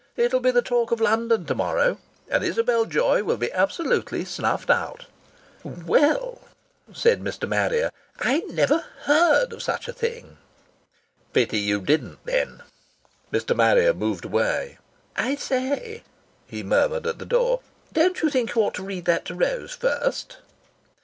It'll be the talk of London to morrow, and Isabel Joy will be absolutely snuffed out." "Well," said Mr. Marrier, "I never heard of such a thing!" "Pity you didn't, then!" Mr. Marrier moved away. "I say," he murmured at the door, "don't you think you ought to read that to Rose first?"